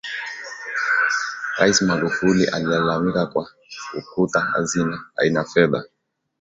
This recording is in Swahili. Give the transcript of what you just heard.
raisi magufuli alilalamika kwa kukuta hazina haina fedha